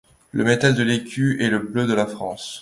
Le métal de l'écu est le bleu de France.